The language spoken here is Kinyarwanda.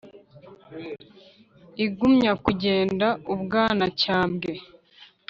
Igumya kugenda u Bwanacyambwe